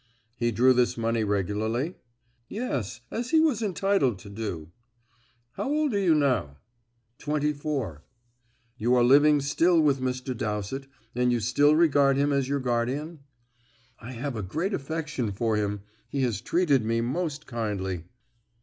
"He drew this money regularly?" "Yes, as he was entitled to do." "How old are you now?" "Twenty four." "You are living still with Mr. Dowsett, and you still regard him as your guardian?" "I have a great affection for him; he has treated me most kindly."